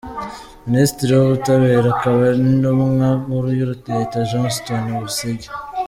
Minisitiri w’Ubutabera akaba n’Intumwa Nkuru ya Leta, Johnston Busingye.